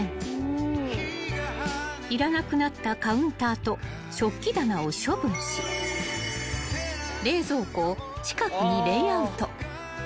［いらなくなったカウンターと食器棚を処分し冷蔵庫を近くにレイアウト］